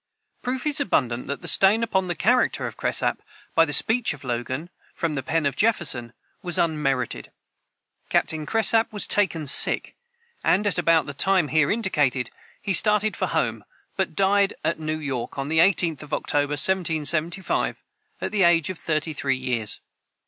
Proof is abundant that the stain put upon the character of Cresap, by the speech of Logan from the pen of Jefferson, was unmerited. Captain Cresap was taken sick, and, at about the time here indicated, he started for home, but died at New York, on the 18th of October, 1775, at the age of thirty three years.